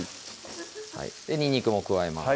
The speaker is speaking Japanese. にんにくも加えます